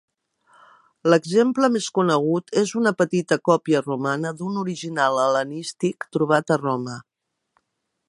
L'exemple més conegut és una petita còpia romana d'un original hel·lenístic trobat a Roma.